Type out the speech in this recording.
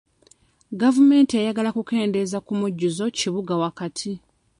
Gavumenti eyagala kukendeeza ku mujjuzo kibuga wakati.